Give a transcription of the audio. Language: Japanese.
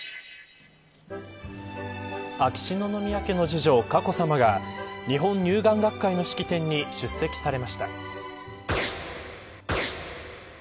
秋篠宮家の次女、佳子さまが日本乳癌学会の式典に出席されました。